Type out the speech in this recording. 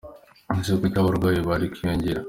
Ese kuki abarwayi bari kwiyongera?